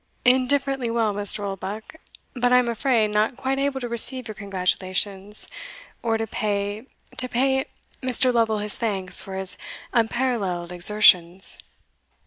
"Indifferently well, Mr. Oldbuck; but I am afraid, not quite able to receive your congratulations, or to pay to pay Mr. Lovel his thanks for his unparalleled exertions."